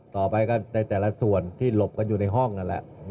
ต่อไปก็ในแต่ละส่วนที่หลบกันอยู่ในห้องนั่นแหละ